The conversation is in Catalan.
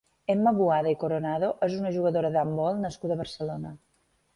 Emma Boada i Coronado és una jugadora d'handbol nascuda a Barcelona.